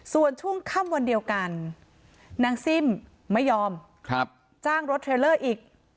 ส่วนช่วงค่ำวันเดียวกันนางซิ่มไม่ยอมจ้างรถเทรลเลอร์อีก